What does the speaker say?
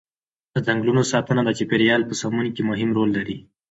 د ځنګلونو ساتنه د چاپیریال په سمون کې مهم رول لري.